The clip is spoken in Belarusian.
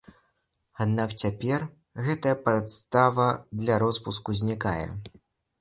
Аднак цяпер гэтая падстава для роспуску знікае.